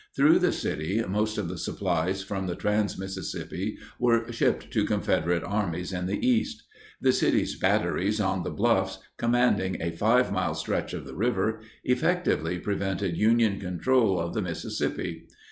Through the city most of the supplies from the trans Mississippi were shipped to Confederate armies in the East. The city's batteries on the bluffs, commanding a 5 mile stretch of the river, effectively prevented Union control of the Mississippi.